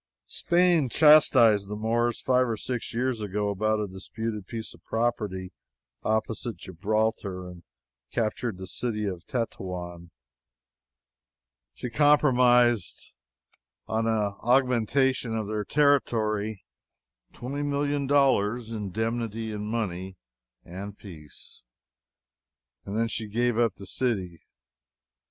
Spain chastised the Moors five or six years ago, about a disputed piece of property opposite Gibraltar, and captured the city of Tetouan. She compromised on an augmentation of her territory, twenty million dollars' indemnity in money, and peace. And then she gave up the city.